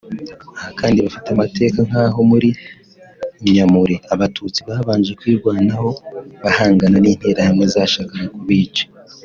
Aha kandi hafite amateka nk’aho muri Nyamure Abatutsi babanje kwirwanaho bahangana n’Interahamwe zashakaga kubica